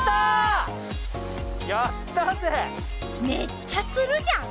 めっちゃ釣るじゃん！